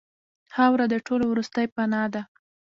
خاوره د ټولو وروستۍ پناه ده.